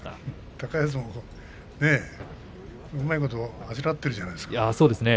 高安も、うまいことあしらっているじゃないですか。